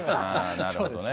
なるほどね。